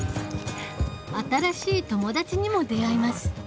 新しい友達にも出会います